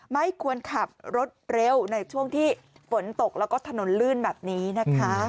ไม่ควรขับรถเร็วในช่วงที่ฝนตกแล้วก็ถนนลื่นแบบนี้นะคะ